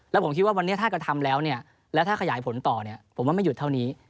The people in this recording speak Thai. แล้วผมคิดว่าวันนี้ถ้ากระทำแล้วเนี่ยแล้วถ้าขยายผลต่อเนี่ยผมว่าไม่หยุดเท่านี้